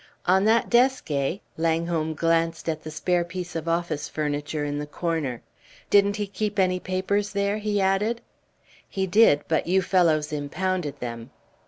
"On that desk, eh?" Langholm glanced at the spare piece of office furniture in the corner. "Didn't he keep any papers here?" he added. "He did, but you fellows impounded them."